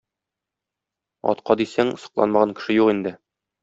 Атка дисәң, сокланмаган кеше юк инде.